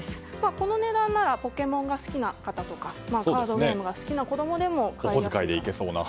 この値段なら「ポケモン」が好きな方とかカードゲームが好きな子供でも買いやすいと。